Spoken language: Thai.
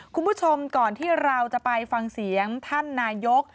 คุณผู้ชมก่อนที่เราจะไปฟังเสียงท่านนายก